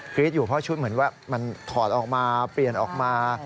รี๊ดอยู่เพราะชุดเหมือนว่ามันถอดออกมาเปลี่ยนออกมา